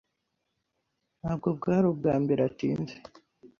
Ntabwo bwari ubwambere atinze.